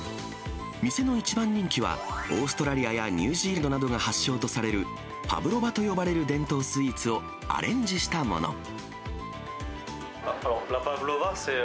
店の一番人気は、オーストラリアやニュージーランドなどが発祥とされるパブロバと呼ばれる伝統スイーツをアレンジしたもの。